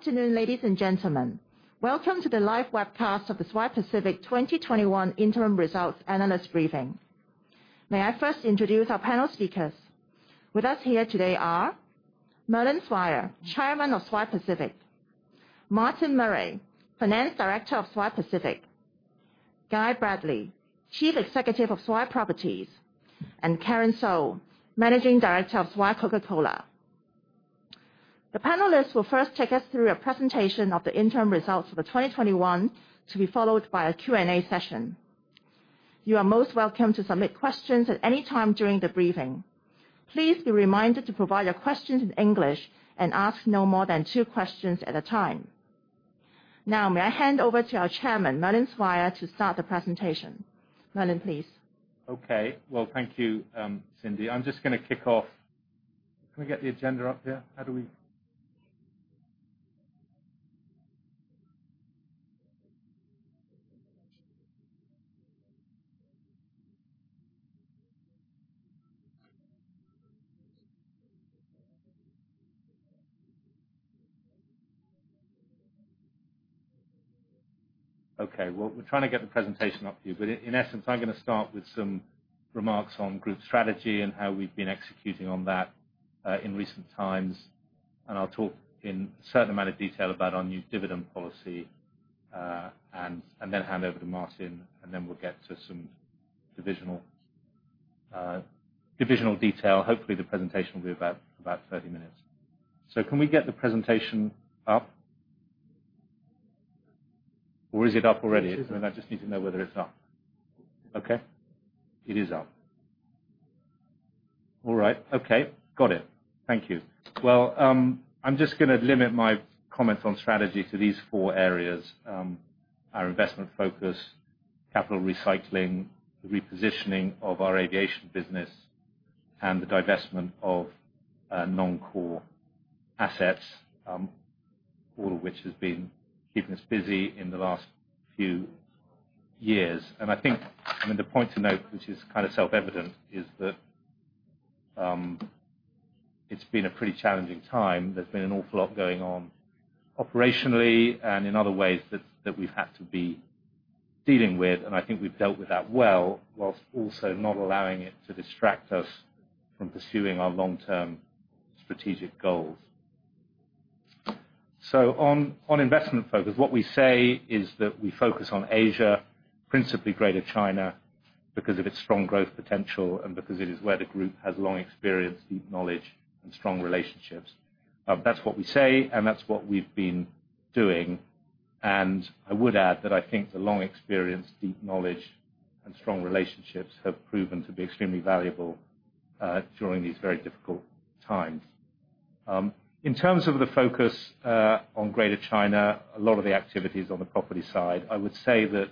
Good afternoon, ladies and gentlemen. Welcome to the live webcast of the Swire Pacific 2021 interim results analyst briefing. May I first introduce our panel speakers. With us here today are Merlin Swire, Chairman of Swire Pacific, Martin Murray, Finance Director of Swire Pacific, Guy Bradley, Chief Executive of Swire Properties, and Karen So, Managing Director of Swire Coca-Cola. The panelists will first take us through a presentation of the interim results for 2021, to be followed by a Q&A session. You are most welcome to submit questions at any time during the briefing. Please be reminded to provide your questions in English and ask no more than two questions at a time. Now, may I hand over to our Chairman, Merlin Swire, to start the presentation. Merlin, please. Okay. Well, thank you, Cindy. I'm just going to kick off. Can we get the agenda up here? Okay. Well, we're trying to get the presentation up here. In essence, I'm going to start with some remarks on group strategy and how we've been executing on that in recent times. I'll talk in a certain amount of detail about our new dividend policy. I'll hand over to Martin. We'll get to some divisional detail. Hopefully, the presentation will be about 30 minutes. Can we get the presentation up? Is it up already? I just need to know whether it's up. Okay. It is up. All right. Okay. Got it. Thank you. Well, I'm just going to limit my comments on strategy to these four areas: our investment focus, capital recycling, the repositioning of our aviation business, and the divestment of non-core assets. All of which has been keeping us busy in the last few years. I think, the point to note, which is kind of self-evident, is that it's been a pretty challenging time. There's been an awful lot going on operationally and in other ways that we've had to be dealing with, and I think we've dealt with that well, whilst also not allowing it to distract us from pursuing our long-term strategic goals. On investment focus, what we say is that we focus on Asia, principally Greater China, because of its strong growth potential and because it is where the group has long experience, deep knowledge and strong relationships. That's what we say, and that's what we've been doing. I would add that I think the long experience, deep knowledge and strong relationships have proven to be extremely valuable during these very difficult times. In terms of the focus on Greater China, a lot of the activity is on the property side. I would say that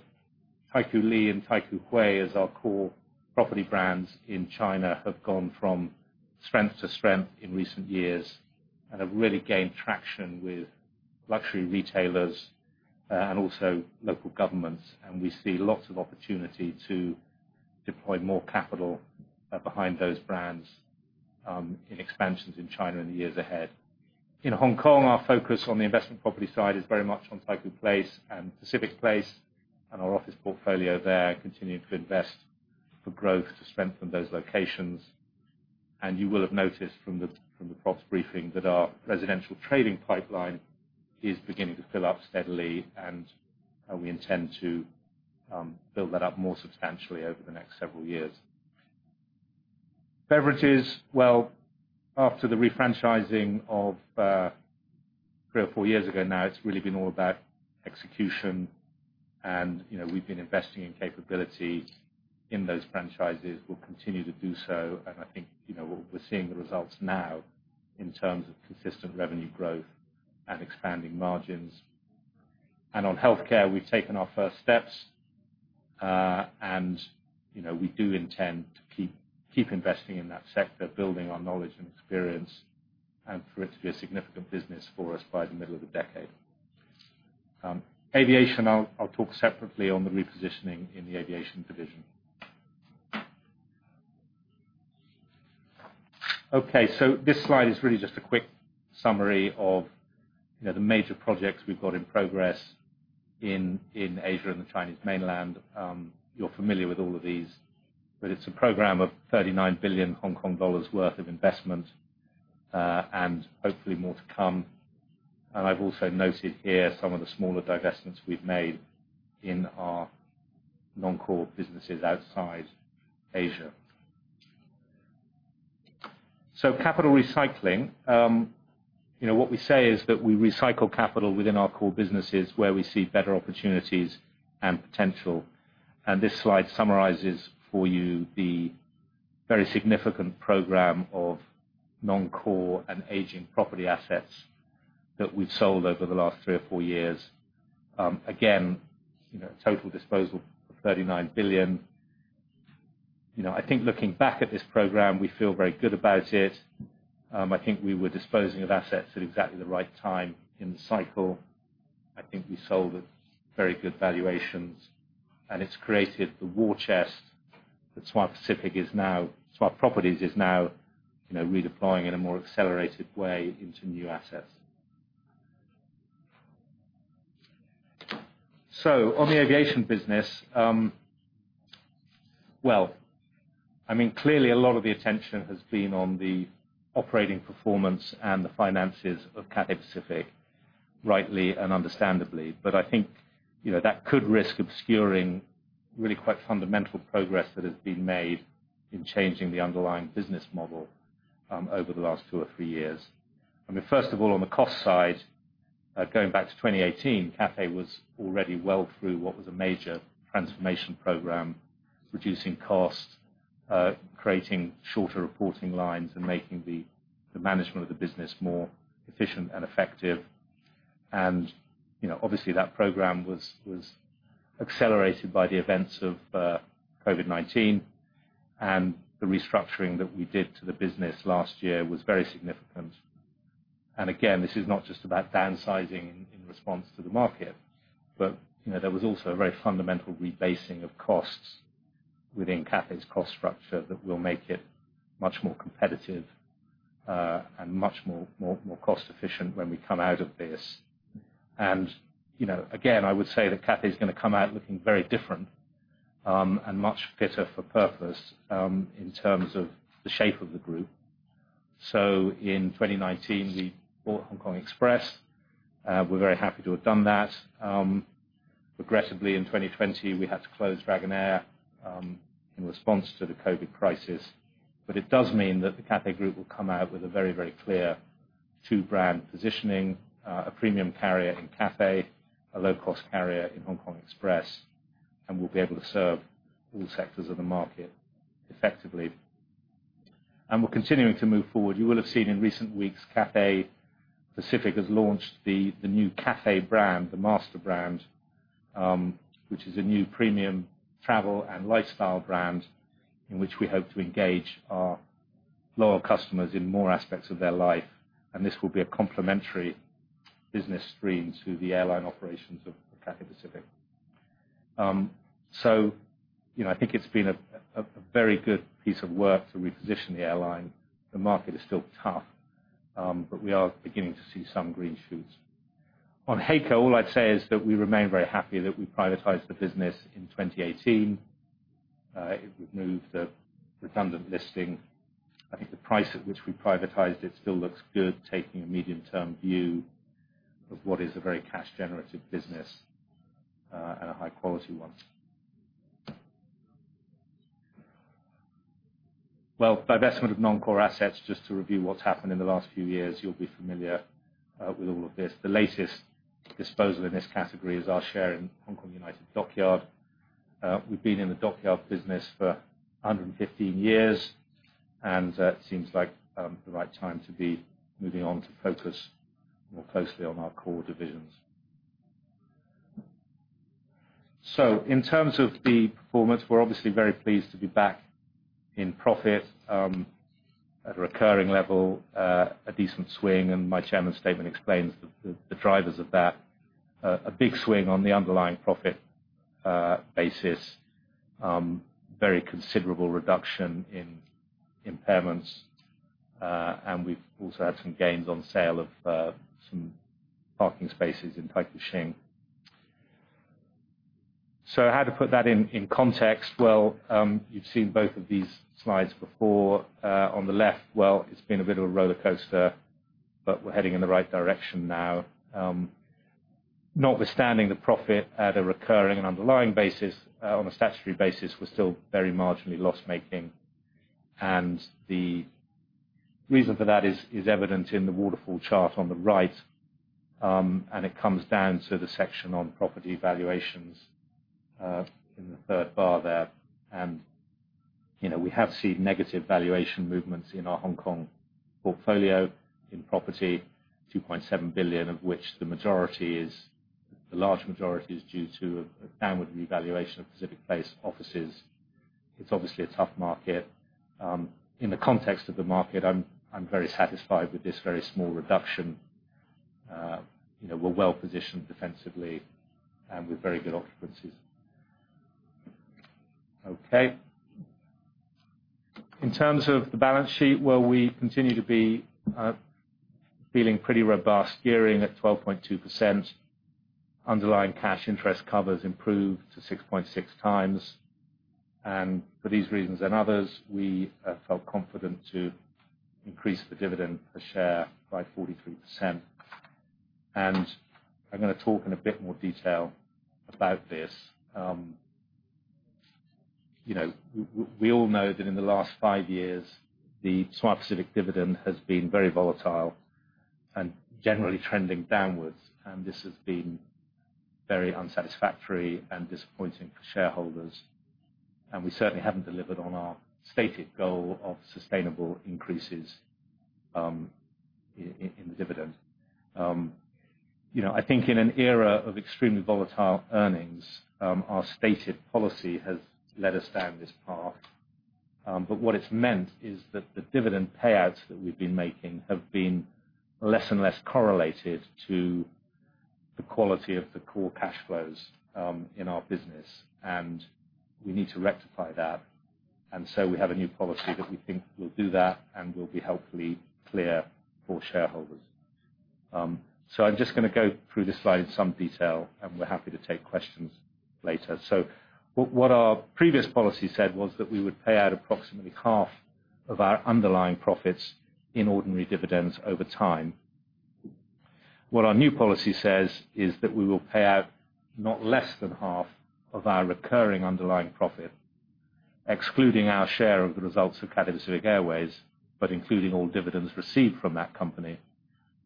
Taikoo Li and Taikoo Hui as our core property brands in China have gone from strength to strength in recent years and have really gained traction with luxury retailers, and also local governments. We see lots of opportunity to deploy more capital behind those brands in expansions in China in the years ahead. In Hong Kong, our focus on the investment property side is very much on Taikoo Place and Pacific Place and our office portfolio there, continuing to invest for growth to strengthen those locations. You will have noticed from the Properties briefing that our residential trading pipeline is beginning to fill up steadily and we intend to build that up more substantially over the next several years. Beverages, well, after the refranchising of three or four years ago now, it's really been all about execution and we've been investing in capability in those franchises. We'll continue to do so, and I think we're seeing the results now in terms of consistent revenue growth and expanding margins. On healthcare, we've taken our first steps, and we do intend to keep investing in that sector, building on knowledge and experience, and for it to be a significant business for us by the middle of the decade. Aviation, I'll talk separately on the repositioning in the aviation division. Okay. This slide is really just a quick summary of the major projects we've got in progress in Asia and the Chinese mainland. You're familiar with all of these, but it's a program of 39 billion Hong Kong dollars worth of investment, and hopefully more to come. I've also noted here some of the smaller divestments we've made in our non-core businesses outside Asia. Capital recycling. What we say is that we recycle capital within our core businesses where we see better opportunities and potential. This slide summarizes for you the very significant program of non-core and aging property assets that we've sold over the last three or four years. Again, a total disposal of 39 billion. I think looking back at this program, we feel very good about it. I think we were disposing of assets at exactly the right time in the cycle. I think we sold at very good valuations, and it's created the war chest that Swire Pacific is now, Swire Properties is now redeploying in a more accelerated way into new assets. On the aviation business, clearly, a lot of the attention has been on the operating performance and the finances of Cathay Pacific, rightly and understandably. I think that could risk obscuring really quite fundamental progress that has been made in changing the underlying business model over the last two or three years. First of all, on the cost side, going back to 2018, Cathay was already well through what was a major transformation program, reducing costs, creating shorter reporting lines, and making the management of the business more efficient and effective. Obviously, that program was accelerated by the events of COVID-19. The restructuring that we did to the business last year was very significant. Again, this is not just about downsizing in response to the market, but there was also a very fundamental rebasing of costs within Cathay's cost structure that will make it much more competitive, and much more cost-efficient when we come out of this. Again, I would say that Cathay is going to come out looking very different, and much fitter for purpose in terms of the shape of the group. In 2019, we bought Hong Kong Express. We are very happy to have done that. Regrettably, in 2020, we had to close Dragonair in response to the COVID crisis. It does mean that the Cathay Group will come out with a very, very clear two-brand positioning. A premium carrier in Cathay, a low-cost carrier in Hong Kong Express. We'll be able to serve all sectors of the market effectively. We're continuing to move forward. You will have seen in recent weeks, Cathay Pacific has launched the new Cathay brand, the master brand, which is a new premium travel and lifestyle brand in which we hope to engage our loyal customers in more aspects of their life. This will be a complementary business stream to the airline operations of Cathay Pacific. I think it's been a very good piece of work to reposition the airline. The market is still tough. We are beginning to see some green shoots. On HAECO, all I'd say is that we remain very happy that we privatized the business in 2018. It removed the redundant listing. I think the price at which we privatized it still looks good, taking a medium-term view of what is a very cash-generative business, and a high-quality one. Divestment of non-core assets, just to review what's happened in the last few years. You'll be familiar with all of this. The latest disposal in this category is our share in Hongkong United Dockyards. We've been in the dockyard business for 115 years, and it seems like the right time to be moving on to focus more closely on our core divisions. In terms of the performance, we're obviously very pleased to be back in profit at a recurring level, a decent swing, and my chairman's statement explains the drivers of that. A big swing on the underlying profit basis. Very considerable reduction in impairments. We've also had some gains on sale of some parking spaces in Taikoo Shing. How to put that in context? Well, you've seen both of these slides before. On the left, it's been a bit of a roller coaster, but we're heading in the right direction now. Notwithstanding the profit at a recurring and underlying basis. On a statutory basis, we're still very marginally loss-making. The reason for that is evident in the waterfall chart on the right. It comes down to the section on property valuations, in the third bar there. We have seen negative valuation movements in our Hong Kong portfolio in property, 2.7 billion of which the large majority is due to a downward revaluation of Pacific Place offices. It's obviously a tough market. In the context of the market, I'm very satisfied with this very small reduction. We're well-positioned defensively and with very good occupancies. Okay. In terms of the balance sheet, well, we continue to be feeling pretty robust, gearing at 12.2%. Underlying cash interest covers improved to 6.6x. For these reasons and others, we felt confident to increase the dividend per share by 43%. I'm going to talk in a bit more detail about this. We all know that in the last five years, the Swire Pacific dividend has been very volatile and generally trending downwards. This has been very unsatisfactory and disappointing for shareholders, and we certainly haven't delivered on our stated goal of sustainable increases in dividend. I think in an era of extremely volatile earnings, our stated policy has led us down this path. What it's meant is that the dividend payouts that we've been making have been less and less correlated to the quality of the core cash flows in our business, and we need to rectify that. We have a new policy that we think will do that and will be helpfully clear for shareholders. I'm just going to go through this slide in some detail, and we're happy to take questions later. What our previous policy said was that we would pay out approximately half of our underlying profits in ordinary dividends over time. What our new policy says is that we will pay out not less than half of our recurring underlying profit, excluding our share of the results of Cathay Pacific Airways, but including all dividends received from that company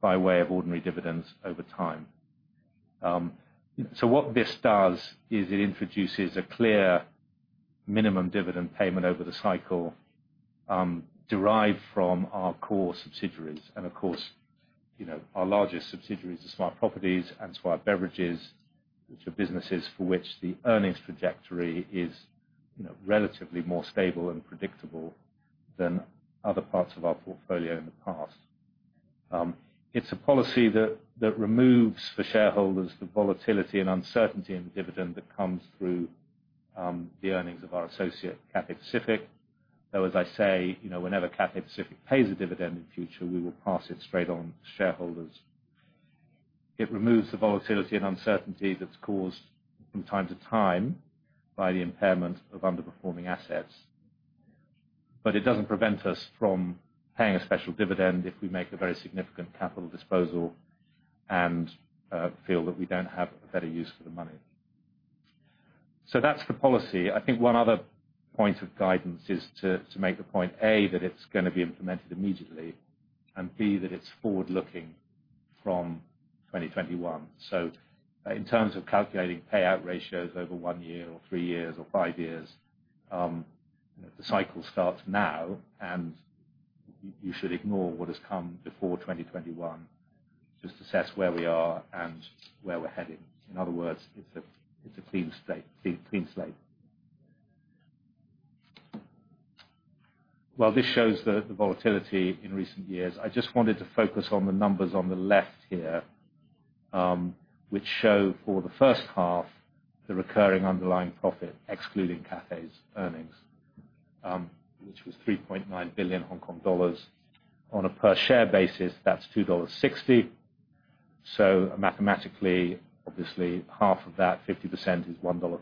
by way of ordinary dividends over time. What this does is it introduces a clear minimum dividend payment over the cycle, derived from our core subsidiaries. Our largest subsidiaries are Swire Properties and Swire Beverages, which are businesses for which the earnings trajectory is relatively more stable and predictable than other parts of our portfolio in the past. It's a policy that removes for shareholders the volatility and uncertainty in the dividend that comes through the earnings of our associate, Cathay Pacific. Though as I say, whenever Cathay Pacific pays a dividend in future, we will pass it straight on to shareholders. It removes the volatility and uncertainty that's caused from time to time by the impairment of underperforming assets. It doesn't prevent us from paying a special dividend if we make a very significant capital disposal and feel that we don't have a better use for the money. That's the policy. I think one other point of guidance is to make the point, A, that it's going to be implemented immediately, and B, that it's forward-looking from 2021. In terms of calculating payout ratios over one year or three years or five years, the cycle starts now, and you should ignore what has come before 2021. Just assess where we are and where we're heading. In other words, it's a clean slate. While this shows the volatility in recent years, I just wanted to focus on the numbers on the left here, which show for the first half the recurring underlying profit excluding Cathay's earnings, which was 3.9 billion Hong Kong dollars. On a per share basis, that's 2.60 dollars. Mathematically, obviously, half of that, 50% is 1.30 dollar.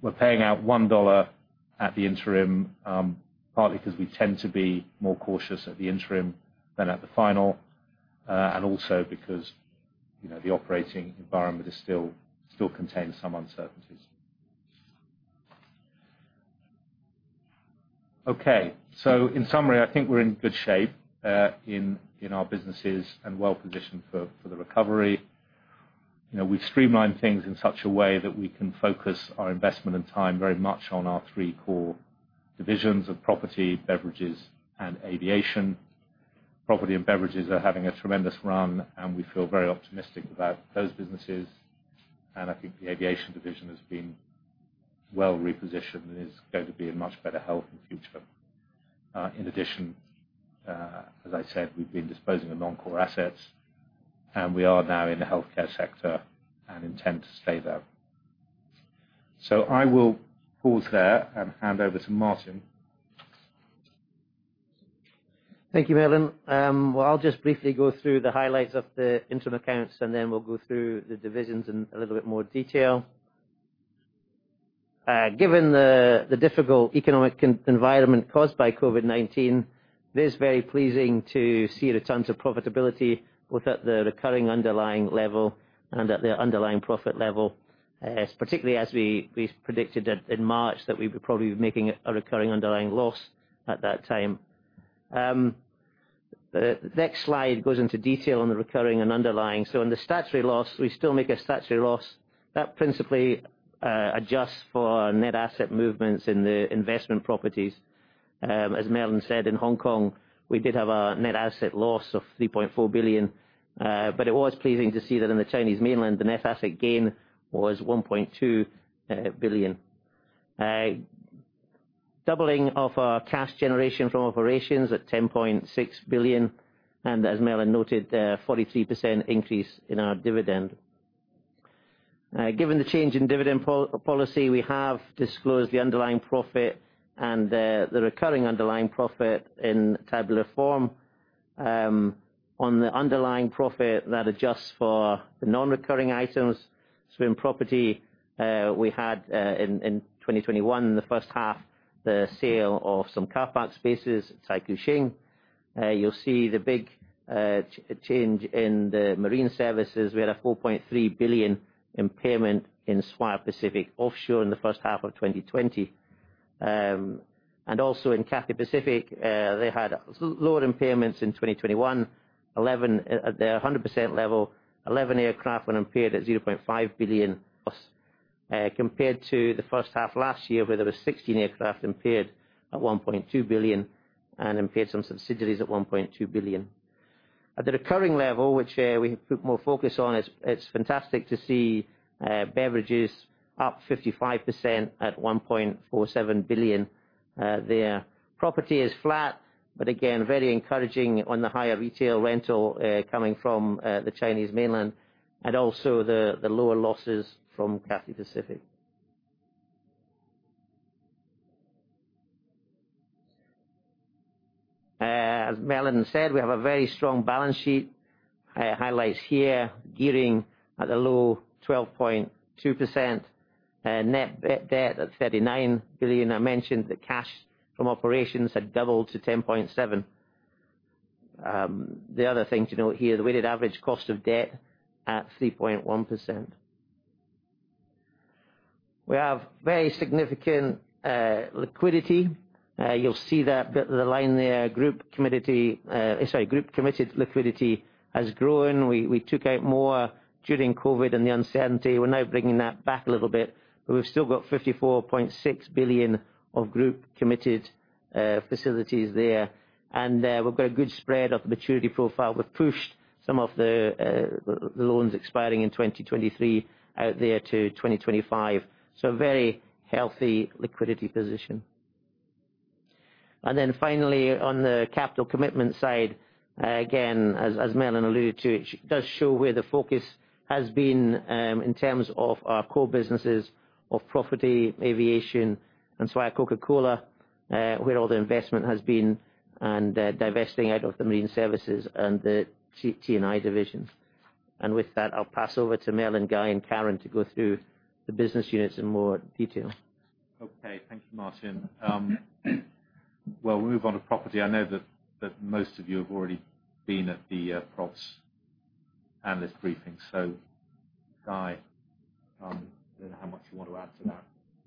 We're paying out 1 dollar at the interim, partly because we tend to be more cautious at the interim than at the final, and also because the operating environment still contains some uncertainties. Okay. In summary, I think we're in good shape in our businesses and well-positioned for the recovery. We've streamlined things in such a way that we can focus our investment and time very much on our three core divisions of property, beverages, and aviation. Property and beverages are having a tremendous run, and we feel very optimistic about those businesses. I think the aviation division has been well repositioned and is going to be in much better health in future. In addition, as I said, we've been disposing of non-core assets, and we are now in the healthcare sector and intend to stay there. I will pause there and hand over to Martin. I'll just briefly go through the highlights of the interim accounts, then we'll go through the divisions in a little bit more detail. Given the difficult economic environment caused by COVID-19, it is very pleasing to see returns of profitability both at the recurring underlying level and at the underlying profit level, particularly as we predicted in March that we would probably be making a recurring underlying loss at that time. The next slide goes into detail on the recurring and underlying. In the statutory loss, we still make a statutory loss. That principally adjusts for net asset movements in the investment properties. As Merlin said, in Hong Kong, we did have a net asset loss of 3.4 billion. It was pleasing to see that in the Chinese mainland, the net asset gain was 1.2 billion. Doubling of our cash generation from operations at 10.6 billion, as Merlin noted, a 43% increase in our dividend. Given the change in dividend policy, we have disclosed the underlying profit and the recurring underlying profit in tabular form. On the underlying profit that adjusts for the non-recurring items, Swire Properties, we had in 2021, the first half, the sale of some car park spaces, Taikoo Shing. You'll see the big change in the marine services. We had a 4.3 billion impairment in Swire Pacific Offshore in the first half of 2020. Also in Cathay Pacific, they had lower impairments in 2021. At the 100% level, 11 aircraft were impaired at 0.5+ billion, compared to the first half last year, where there were 16 aircraft impaired at 1.2 billion and impaired some subsidiaries at 1.2 billion. At the recurring level, which we put more focus on, it's fantastic to see beverages up 55% at 1.47 billion there. Property is flat. Again, very encouraging on the higher retail rental coming from the Chinese mainland, and also the lower losses from Cathay Pacific. As Merlin said, we have a very strong balance sheet. Highlights here, gearing at a low 12.2% net debt at 39 billion. I mentioned the cash from operations had doubled to 10.7 billion. The other thing to note here, the weighted average cost of debt at 3.1%. We have very significant liquidity. You'll see that bit, the line there, group committed liquidity has grown. We took out more during COVID and the uncertainty. We're now bringing that back a little bit. We've still got 54.6 billion of group committed facilities there. We've got a good spread of the maturity profile. We've pushed some of the loans expiring in 2023 out there to 2025. A very healthy liquidity position. Finally, on the capital commitment side, again, as Merlin alluded to, it does show where the focus has been in terms of our core businesses of property, aviation, and Swire Coca-Cola where all the investment has been, and divesting out of the marine services and the T&I divisions. With that, I'll pass over to Merlin, Guy, and Karen to go through the business units in more detail. Okay. Thank you, Martin. We'll move on to property. I know that most of you have already been at the props analyst briefing. Guy, I don't know how much you want to add to that.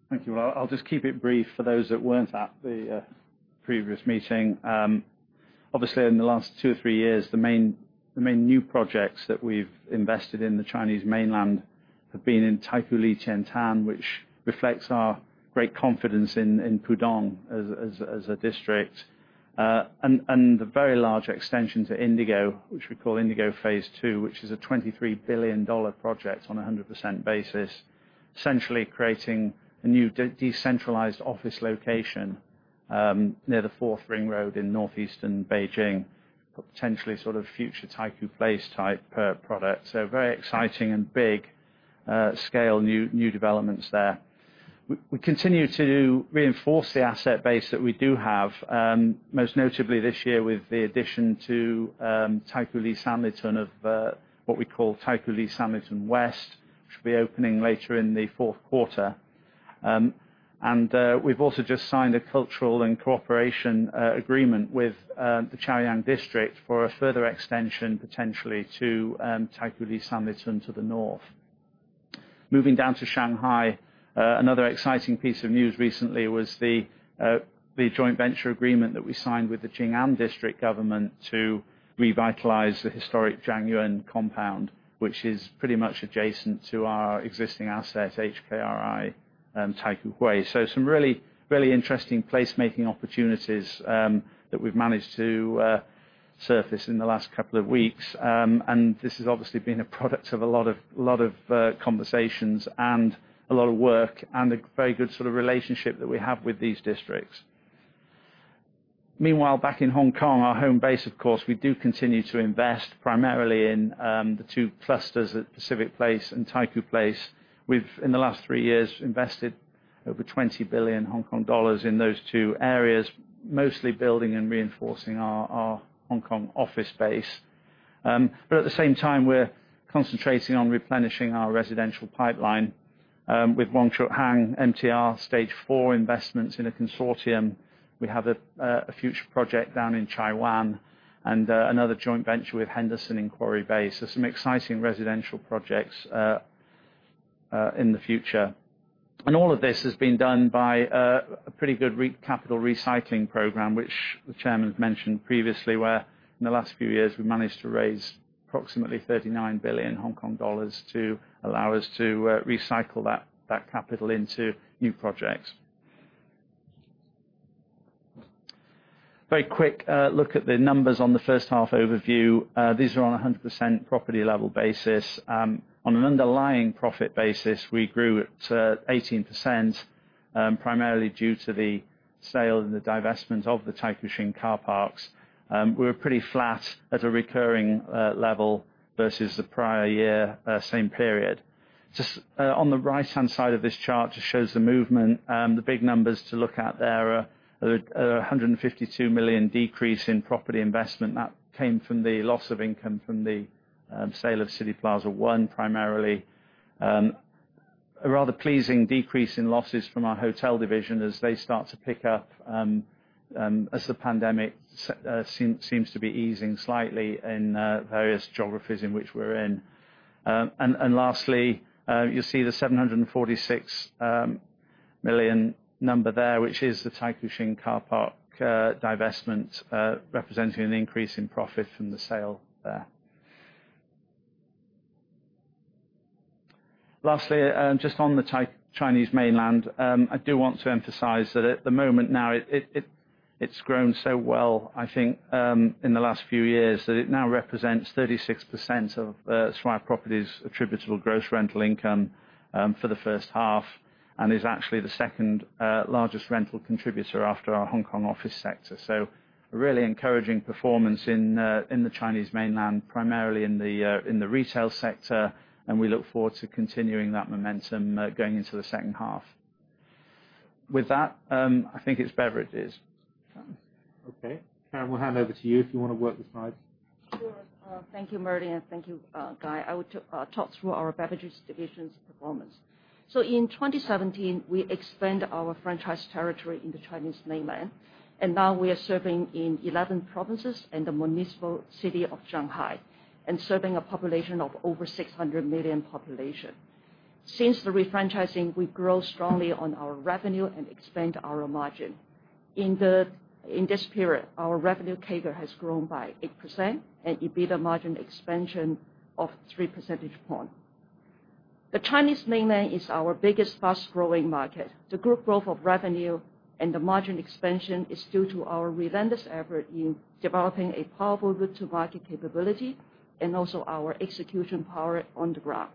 Thank you. I'll just keep it brief for those that weren't at the previous meeting. Obviously, in the last two or three years, the main new projects that we've invested in the Chinese mainland have been in Taikoo Li Qiantan, which reflects our great confidence in Pudong as a district. The very large extension to INDIGO, which we call INDIGO phase II, which is a 23 billion dollar project on 100% basis. Essentially creating a new decentralized office location, near the fourth ring road in northeastern Beijing, but potentially sort of future Taikoo Place type product. Very exciting and big scale, new developments there. We continue to reinforce the asset base that we do have, most notably this year with the addition to Taikoo Li Sanlitun of what we call Taikoo Li Sanlitun West, which will be opening later in the Q4. We've also just signed a cultural and cooperation agreement with the Chaoyang District for a further extension, potentially, to Taikoo Li Sanlitun to the north. Moving down to Shanghai, another exciting piece of news recently was the joint venture agreement that we signed with the Jing'an District government to revitalize the historic Zhangyuan compound, which is pretty much adjacent to our existing asset, HKRI Taikoo Hui. Some really interesting place-making opportunities that we've managed to surface in the last two weeks. This has obviously been a product of a lot of conversations and a lot of work, and a very good sort of relationship that we have with these districts. Meanwhile, back in Hong Kong, our home base, of course, we do continue to invest primarily in the two clusters at Pacific Place and Taikoo Place. We've, in the last three years, invested over 20 billion Hong Kong dollars in those two areas, mostly building and reinforcing our Hong Kong office base. At the same time, we're concentrating on replenishing our residential pipeline, with Wong Chuk Hang MTR Stage 4 investments in a consortium. We have a future project down in Chai Wan and another joint venture with Henderson in Quarry Bay. Some exciting residential projects in the future. All of this has been done by a pretty good capital recycling program, which the Chairman mentioned previously, where in the last few years we managed to raise approximately 39 billion Hong Kong dollars to allow us to recycle that capital into new projects. Very quick look at the numbers on the first half overview. These are on 100% property level basis. On an underlying profit basis, we grew at 18%, primarily due to the sale and the divestment of the Taikoo Shing car parks. We were pretty flat at a recurring level versus the prior year same period. On the right-hand side of this chart just shows the movement. The big numbers to look at there are 152 million decrease in property investment. That came from the loss of income from the sale of CityPlaza One primarily. A rather pleasing decrease in losses from our hotel division as they start to pick up as the pandemic seems to be easing slightly in various geographies in which we're in. Lastly, you'll see the 746 million number there, which is the Taikoo Shing car park divestment representing an increase in profit from the sale there. Lastly, just on the Chinese mainland, I do want to emphasize that at the moment now it's grown so well, I think, in the last few years that it now represents 36% of Swire Properties attributable gross rental income for the first half, and is actually the second largest rental contributor after our Hong Kong office sector. A really encouraging performance in the Chinese mainland, primarily in the retail sector, and we look forward to continuing that momentum going into the second half. With that, I think it's beverages. Okay. Karen, we'll hand over to you if you want to work the slides. Sure. Thank you, Murray, and thank you, Guy. I will talk through our beverages division's performance. In 2017, we expanded our franchise territory in the Chinese mainland, and now we are serving in 11 provinces and the municipal city of Shanghai. Serving a population of over 600 million population. Since the re-franchising, we've grown strongly on our revenue and expanded our margin. In this period, our revenue CAGR has grown by 8% and EBITDA margin expansion of 3 percentage point. The Chinese mainland is our biggest, fast-growing market. The group growth of revenue and the margin expansion is due to our relentless effort in developing a powerful go-to-market capability and also our execution power on the ground.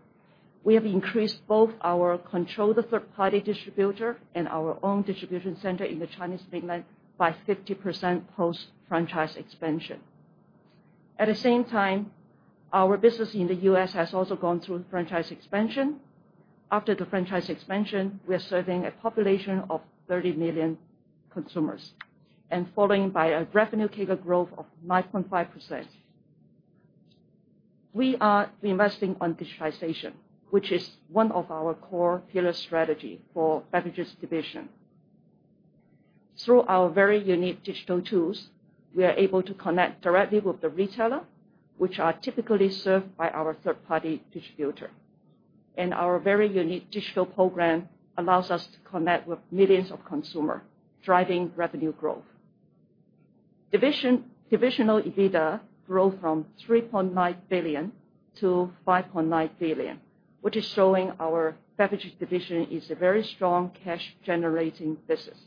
We have increased both our control of the third-party distributor and our own distribution center in the Chinese mainland by 50% post franchise expansion. At the same time, our business in the U.S. has also gone through franchise expansion. After the franchise expansion, we are serving a population of 30 million consumers and following by a revenue CAGR growth of 9.5%. We are investing on digitization, which is one of our core pillar strategy for beverages division. Through our very unique digital tools, we are able to connect directly with the retailer, which are typically served by our third-party distributor. Our very unique digital program allows us to connect with millions of consumers, driving revenue growth. Divisional EBITDA grew from 3.9 billion to 5.9 billion, which is showing our beverages division is a very strong cash-generating business.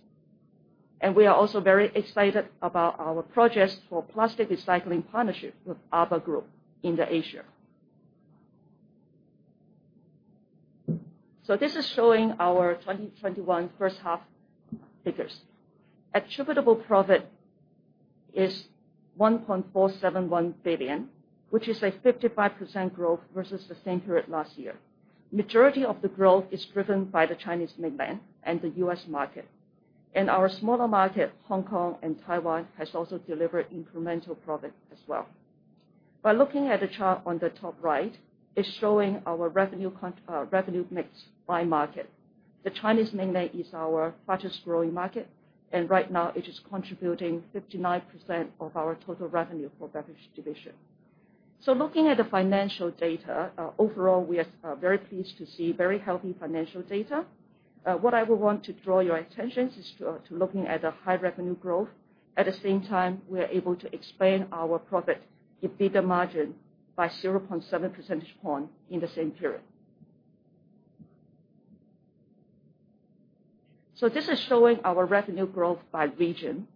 We are also very excited about our projects for plastic recycling partnership with ALBA Group in Asia. This is showing our 2021 first half figures. Attributable profit is 1.471 billion, which is a 55% growth versus the same period last year. Majority of the growth is driven by the Chinese mainland and the U.S. market. Our smaller market, Hong Kong and Taiwan, has also delivered incremental profit as well. By looking at the chart on the top right, it's showing our revenue mix by market. The Chinese mainland is our fastest growing market, and right now it is contributing 59% of our total revenue for beverage division. Looking at the financial data, overall we are very pleased to see very healthy financial data. What I would want to draw your attention to is looking at the high revenue growth. At the same time, we are able to expand our profit EBITDA margin by 0.7 percentage point in the same period. This is showing our revenue growth by region.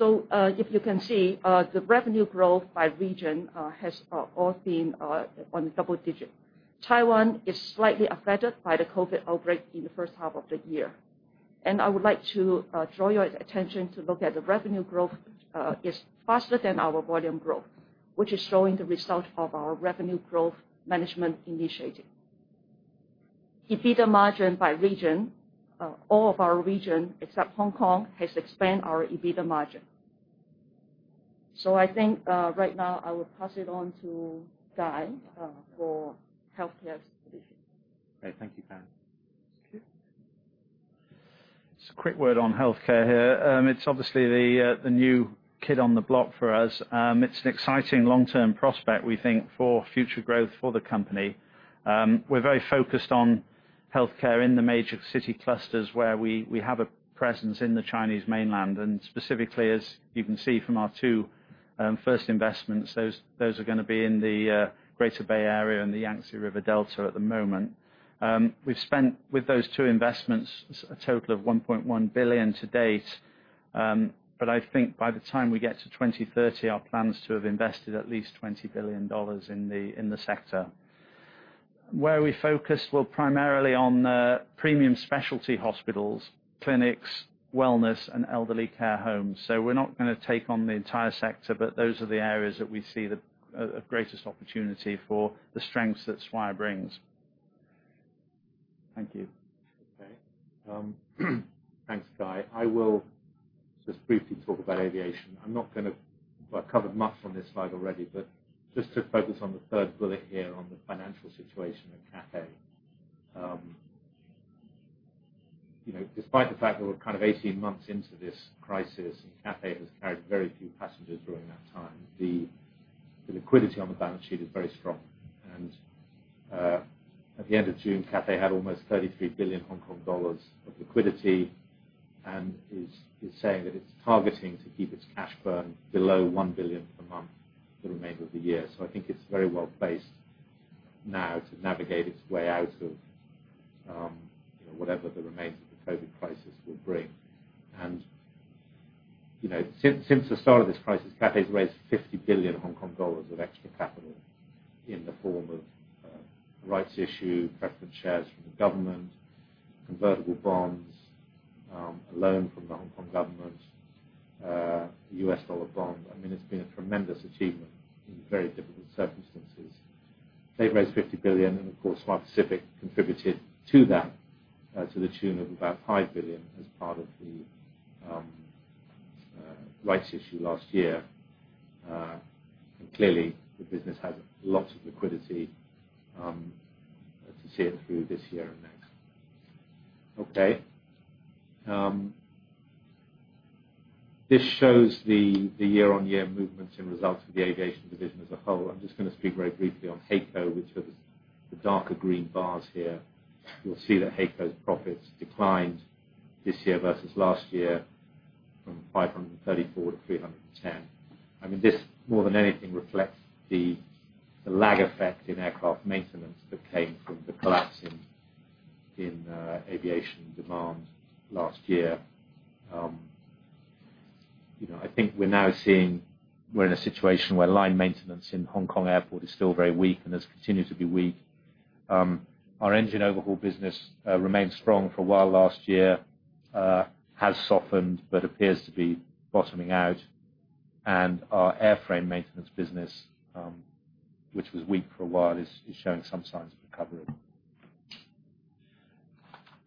If you can see, the revenue growth by region has all been on double-digit. Taiwan is slightly affected by the COVID outbreak in the first half of the year. I would like to draw your attention to look at the revenue growth is faster than our volume growth, which is showing the result of our revenue growth management initiative. EBITDA margin by region. All of our region, except Hong Kong, has expanded our EBITDA margin. I think right now I will pass it on to Guy for healthcare division. Great. Thank you, Karen. Just a quick word on healthcare here. It's obviously the new kid on the block for us. It's an exciting long-term prospect, we think, for future growth for the company. We're very focused on healthcare in the major city clusters where we have a presence in the Chinese mainland, and specifically, as you can see from our two first investments, those are gonna be in the Greater Bay Area and the Yangtze River Delta at the moment. We've spent, with those two investments, a total of 1.1 billion to date. I think by the time we get to 2030, our plan is to have invested at least 20 billion dollars in the sector. Where are we focused? We're primarily on premium specialty hospitals, clinics, wellness, and elderly care homes. We're not gonna take on the entire sector, but those are the areas that we see the greatest opportunity for the strengths that Swire brings. Thank you. Okay. Thanks, Guy. I will just briefly talk about aviation. I've covered much on this slide already, but just to focus on the third bullet here on the financial situation at Cathay. Despite the fact that we're kind of 18 months into this crisis and Cathay has carried very few passengers during that time, the liquidity on the balance sheet is very strong. At the end of June, Cathay had almost 33 billion Hong Kong dollars of liquidity. Is saying that it's targeting to keep its cash burn below $1 billion per month for the remainder of the year. I think it's very well-placed now to navigate its way out of whatever the remains of the COVID-19 crisis will bring. Since the start of this crisis, Cathay's raised 50 billion Hong Kong dollars of extra capital in the form of rights issue, preference shares from the government, convertible bonds, a loan from the Hong Kong government, US dollar bond. It's been a tremendous achievement in very difficult circumstances. They've raised 50 billion, and of course, Swire Pacific contributed to that to the tune of about 5 billion as part of the rights issue last year. Clearly, the business has lots of liquidity to see it through this year and next. Okay. This shows the year-on-year movements and results of the aviation division as a whole. I'm just going to speak very briefly on HAECO, which are the darker green bars here. You'll see that HAECO's profits declined this year versus last year from 534-310. This more than anything, reflects the lag effect in aircraft maintenance that came from the collapse in aviation demand last year. I think we're now seeing we're in a situation where line maintenance in Hong Kong Airport is still very weak and is continued to be weak. Our engine overhaul business remained strong for a while last year, has softened, but appears to be bottoming out. Our airframe maintenance business, which was weak for a while, is showing some signs of recovery.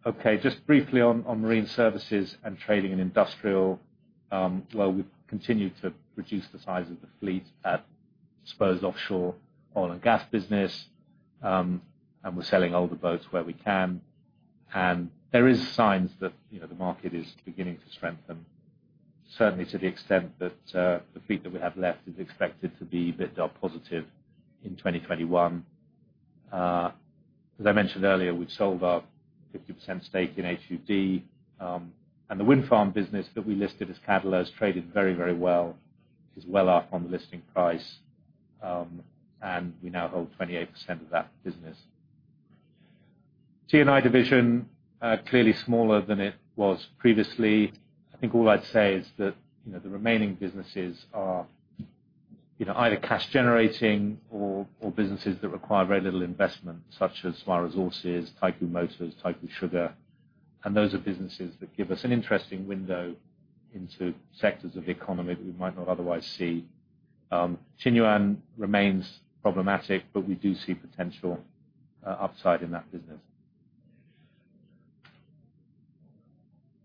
Okay. Just briefly on Marine Services and Trading and Industrial. Well, we've continued to reduce the size of the fleet at Swire Pacific Offshore. We're selling older boats where we can. There is signs that the market is beginning to strengthen, certainly to the extent that the fleet that we have left is expected to be EBITDA positive in 2021. As I mentioned earlier, we've sold our 50% stake in HUD. The wind farm business that we listed as Cadeler has traded very well, is well up on the listing price. We now hold 28% of that business. T&I division, clearly smaller than it was previously. I think all I'd say is that the remaining businesses are either cash generating or businesses that require very little investment, such as Swire Resources, Taikoo Motors, Taikoo Sugar. Those are businesses that give us an interesting window into sectors of the economy that we might not otherwise see. Qinyuan remains problematic, but we do see potential upside in that business.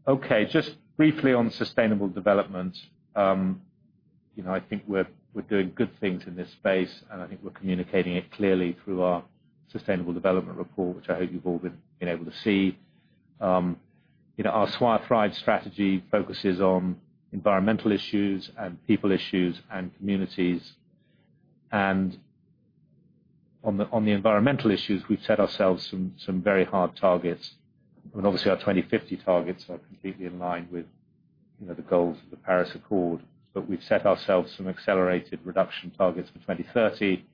Okay. Just briefly on sustainable development. I think we're doing good things in this space, and I think we're communicating it clearly through our sustainable development report, which I hope you've all been able to see. Our Swire THRIVE strategy focuses on environmental issues and people issues and communities. On the environmental issues, we've set ourselves some very hard targets. Obviously, our 2050 targets are completely in line with the goals of the Paris Agreement, but we've set ourselves some accelerated reduction targets for 2030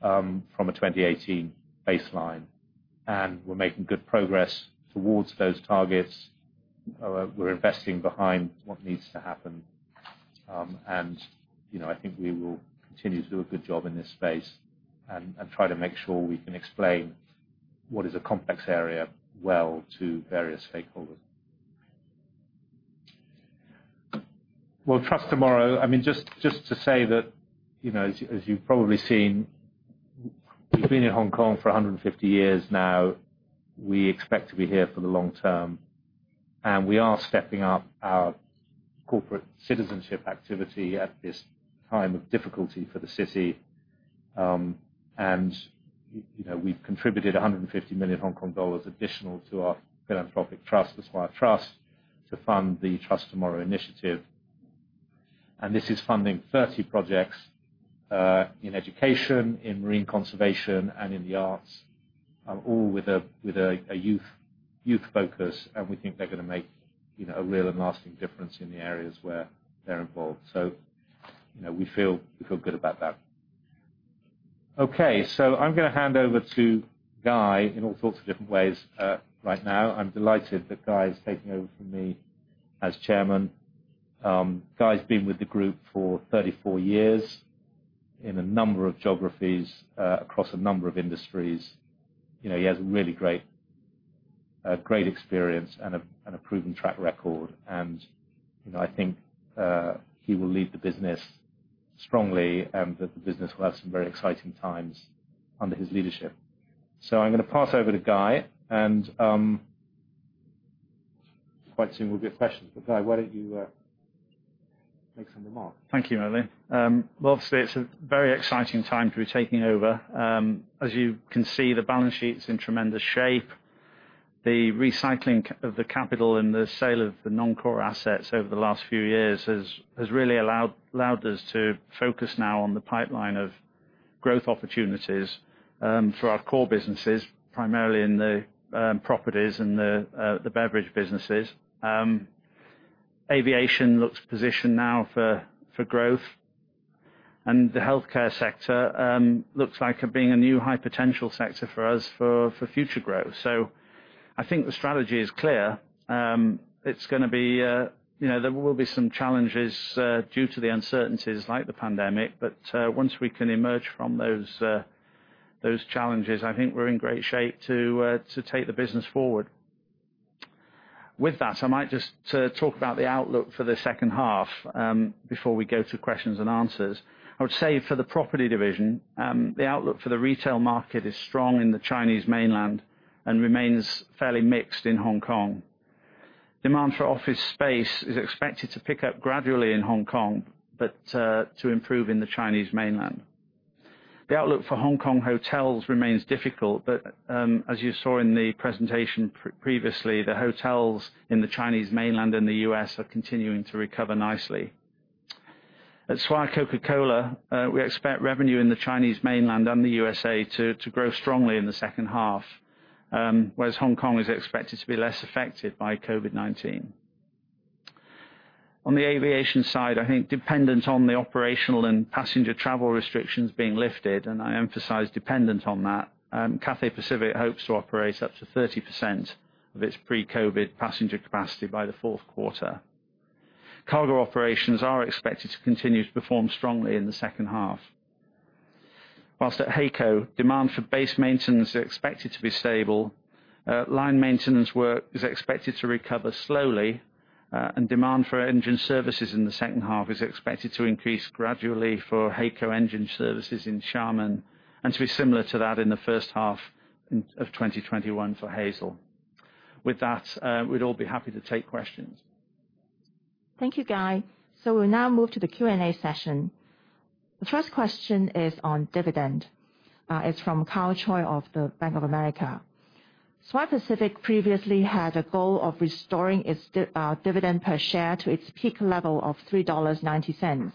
from a 2018 baseline. We're making good progress towards those targets. I think we will continue to do a good job in this space and try to make sure we can explain what is a complex area well to various stakeholders. Well, TrustTomorrow, just to say that, as you've probably seen, we've been in Hong Kong for 150 years now. We expect to be here for the long term. We are stepping up our corporate citizenship activity at this time of difficulty for the city. We've contributed 150 million Hong Kong dollars additional to our philanthropic trust, the Swire Trust, to fund the TrustTomorrow initiative. This is funding 30 projects in education, in marine conservation, and in the arts, all with a youth focus. We think they're going to make a real and lasting difference in the areas where they're involved. We feel good about that. Okay. I'm going to hand over to Guy in all sorts of different ways right now. I'm delighted that Guy is taking over from me as chairman. Guy's been with the group for 34 years in a number of geographies, across a number of industries. He has really great experience and a proven track record. I think he will lead the business strongly and that the business will have some very exciting times under his leadership. I'm going to pass over to Guy, and quite soon will be questions. Guy, why don't you make some remarks? Thank you, Merlin. Obviously, it's a very exciting time to be taking over. As you can see, the balance sheet's in tremendous shape. The recycling of the capital and the sale of the non-core assets over the last few years has really allowed us to focus now on the pipeline of growth opportunities for our core businesses, primarily in the properties and the beverage businesses. Aviation looks positioned now for growth, and the healthcare sector looks like being a new high potential sector for us for future growth. I think the strategy is clear. There will be some challenges due to the uncertainties like the pandemic, once we can emerge from those challenges, I think we're in great shape to take the business forward. With that, I might just talk about the outlook for the second half before we go to questions and answers. I would say for the property division, the outlook for the retail market is strong in the Chinese mainland and remains fairly mixed in Hong Kong. Demand for office space is expected to pick up gradually in Hong Kong, to improve in the Chinese mainland. The outlook for Hong Kong hotels remains difficult, as you saw in the presentation previously, the hotels in the Chinese mainland and the U.S. are continuing to recover nicely. At Swire Coca-Cola, we expect revenue in the Chinese mainland and the USA to grow strongly in the second half. Hong Kong is expected to be less affected by COVID-19. On the aviation side, I think dependent on the operational and passenger travel restrictions being lifted, and I emphasize dependent on that, Cathay Pacific hopes to operate up to 30% of its pre-COVID passenger capacity by the Q4. Cargo operations are expected to continue to perform strongly in the second half. Whilst at HAECO, demand for base maintenance are expected to be stable. Line maintenance work is expected to recover slowly, and demand for engine services in the second half is expected to increase gradually for HAECO Engine Services in Xiamen and to be similar to that in the first half of 2021 for HAESL. With that, we'd all be happy to take questions. Thank you, Guy. We'll now move to the Q&A session. The first question is on dividend. It's from Karl Choi of the Bank of America. Swire Pacific previously had a goal of restoring its dividend per share to its peak level of HKD 3.90.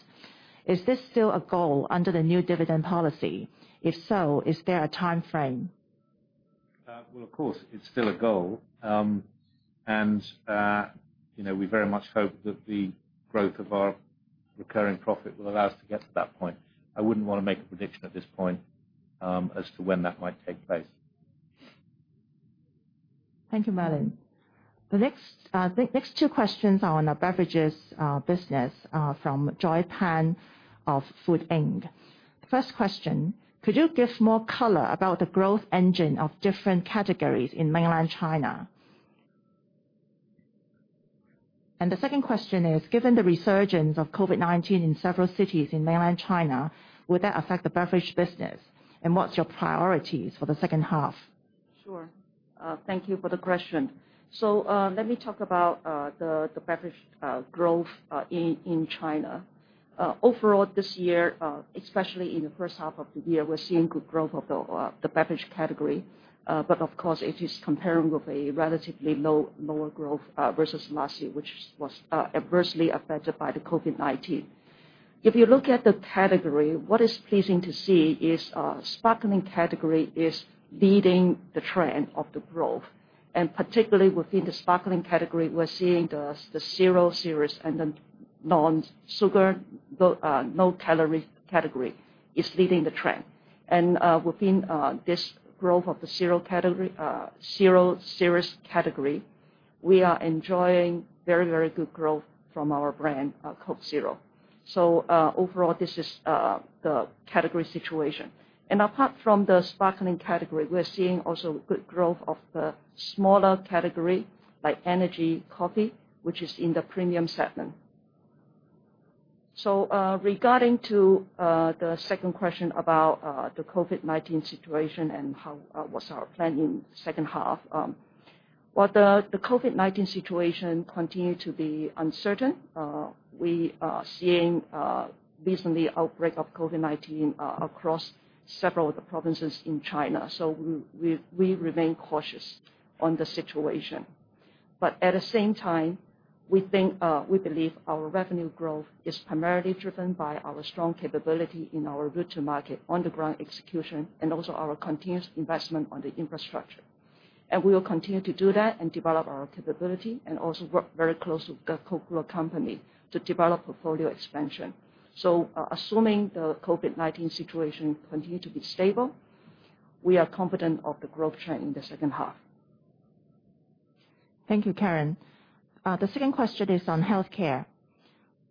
Is this still a goal under the new dividend policy? If so, is there a timeframe? Well, of course, it's still a goal. We very much hope that the growth of our recurring profit will allow us to get to that point. I wouldn't want to make a prediction at this point as to when that might take place. Thank you, Merlin. The next two questions are on our beverages business from Joy Pan of Food Inc. The first question: Could you give more color about the growth engine of different categories in mainland China? The second question is: Given the resurgence of COVID-19 in several cities in mainland China, would that affect the beverage business? What's your priorities for the second half? Sure. Thank you for the question. Let me talk about the beverage growth in China. Overall this year, especially in the first half of the year, we're seeing good growth of the beverage category. Of course, it is comparing with a relatively lower growth, versus last year, which was adversely affected by the COVID-19. If you look at the category, what is pleasing to see is sparkling category is leading the trend of the growth. Particularly within the sparkling category, we're seeing the zero series and the non-sugar, no calorie category is leading the trend. Within this growth of the zero series category, we are enjoying very good growth from our brand, Coke Zero. Overall, this is the category situation. Apart from the sparkling category, we're seeing also good growth of the smaller category like energy coffee, which is in the premium segment. Regarding to the second question about the COVID-19 situation and what's our plan in the second half. While the COVID-19 situation continue to be uncertain, we are seeing recently outbreak of COVID-19 across several of the provinces in China. We remain cautious on the situation. At the same time, we believe our revenue growth is primarily driven by our strong capability in our route to market, on the ground execution, and also our continuous investment on the infrastructure. We will continue to do that and develop our capability and also work very closely with The Coca-Cola Company to develop portfolio expansion. Assuming the COVID-19 situation continue to be stable, we are confident of the growth trend in the second half. Thank you, Karen. The second question is on healthcare.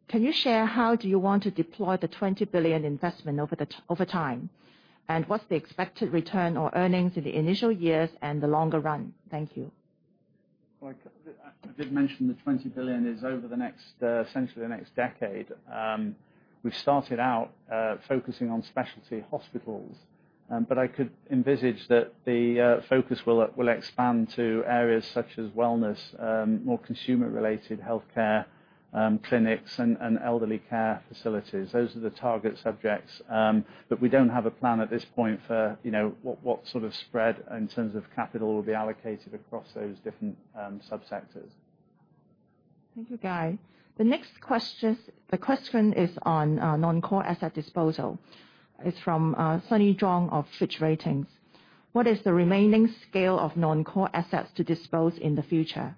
Can you share how do you want to deploy the 20 billion investment over time? What's the expected return or earnings in the initial years and the longer run? Thank you. I did mention the 20 billion is over essentially the next decade. We've started out focusing on specialty hospitals. I could envisage that the focus will expand to areas such as wellness, more consumer-related healthcare clinics and elderly care facilities. Those are the target subjects. We don't have a plan at this point for what sort of spread in terms of capital will be allocated across those different subsectors. Thank you, Guy. The next question is on non-core asset disposal. It is from Sunny Zhong of Fitch Ratings. What is the remaining scale of non-core assets to dispose in the future?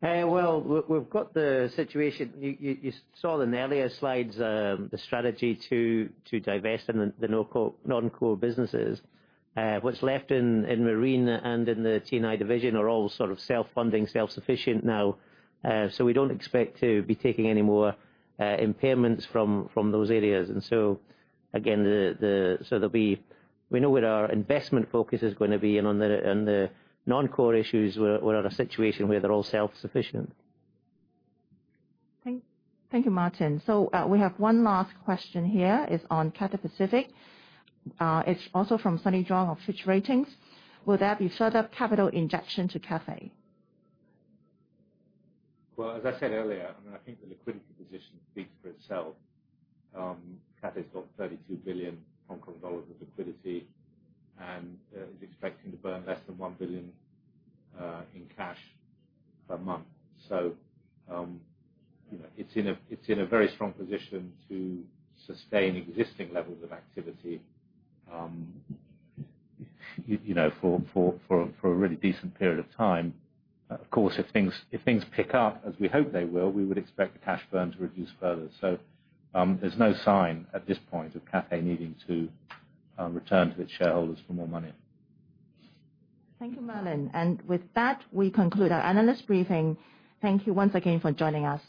Well, we've got the situation. You saw in the earlier slides, the strategy to divest in the non-core businesses. What's left in Marine and in the T&I division are all sort of self-funding, self-sufficient now. We don't expect to be taking any more impairments from those areas. Again, we know where our investment focus is going to be and on the non-core issues, we're at a situation where they're all self-sufficient. Thank you, Martin. We have one last question here. It's on Cathay Pacific. It's also from Sunny Zhong of Fitch Ratings. Will there be further capital injection to Cathay? Well, as I said earlier, I think the liquidity position speaks for itself. Cathay's got 32 billion Hong Kong dollars of liquidity, and is expecting to burn less than 1 billion in cash per month. It's in a very strong position to sustain existing levels of activity for a really decent period of time. Of course, if things pick up, as we hope they will, we would expect the cash burn to reduce further. There's no sign at this point of Cathay needing to return to its shareholders for more money. Thank you, Merlin. With that, we conclude our analyst briefing. Thank you once again for joining us.